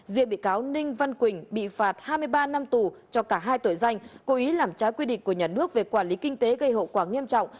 diện bị cáo ninh văn quỳnh bị phạt hai mươi ba năm tù cho cả hai tội danh cố ý làm trái quy định của nhà nước về quản lý kinh tế gây hậu quả nghiêm trọng